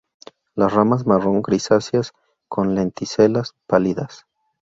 Las ramas marrón grisáceas, con lenticelas pálidas.